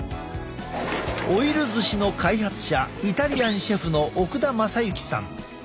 オイル寿司の開発者イタリアンシェフの奥田政行さん。